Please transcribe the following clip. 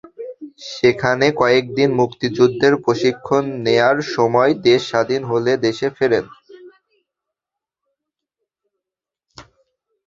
সেখানে কয়েক দিন মুক্তিযুদ্ধের প্রশিক্ষণ নেওয়ার সময় দেশ স্বাধীন হলে দেশে ফেরেন।